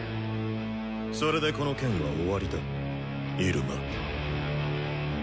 それでこの件は終わりだイルマ。